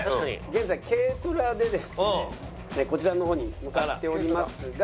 現在軽トラでですねこちらの方に向かっておりますが。